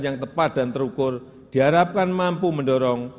yang tepat dan terukur diharapkan mampu mendorong